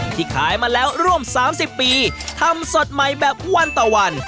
ขายมาแล้วร่วม๓๐ปีทำสดใหม่แบบวันต่อวัน